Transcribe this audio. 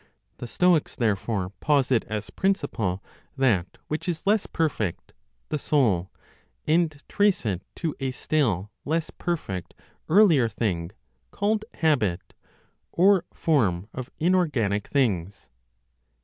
The Stoics, therefore, posit as principle that which is less perfect (the soul), and trace it to a still less perfect earlier thing called habit (or form of inorganic things).